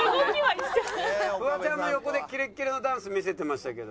フワちゃんも横でキレッキレのダンス見せてましたけど。